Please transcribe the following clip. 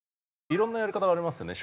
いろんなやり方がありますよね。